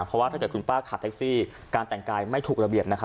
เพราะว่าถ้าเกิดคุณป้าขับแท็กซี่การแต่งกายไม่ถูกระเบียบนะครับ